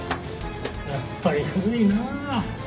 やっぱり古いなあ。